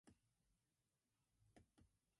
In Bulgaria he is considered Ethnic Bulgarian.